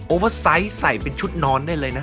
ว่าไซส์ใส่เป็นชุดนอนได้เลยนะ